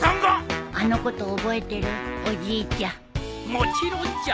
もちろんじゃ。